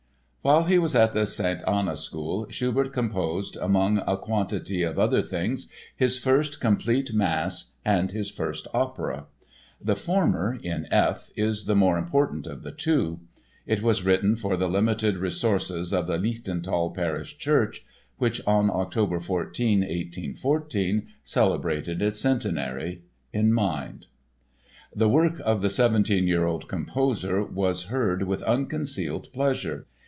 While he was at the St. Anna School, Schubert composed among a quantity of other things his first complete mass and his first opera. The former (in F) is the more important of the two. It was written for the limited resources of the Lichtental parish church—which on October 14, 1814, celebrated its centenary—in mind. The work of the seventeen year old composer was heard with unconcealed pleasure.